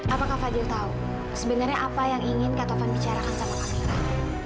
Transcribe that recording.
apakah fadil tahu sebenarnya apa yang ingin kak taufan bicarakan sama kak taufan